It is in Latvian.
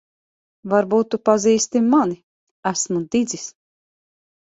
Varbūt tu pazīsti mani. Esmu Didzis.